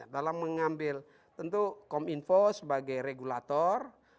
dalam mengambil tentu kominfo sebagai regulator